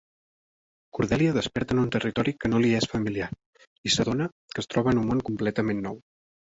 Cordelia desperta en un territori que no li és familiar, i s'adona que es troba en un món completament nou.